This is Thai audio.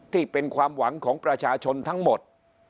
ที่เป็นความหวังของประชาชนทั้งหมด